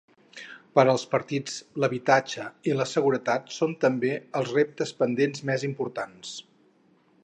Per als partits l'habitatge i la seguretat són també els reptes pendents més importants.